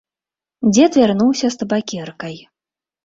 Дзед вярнуўся з табакеркай.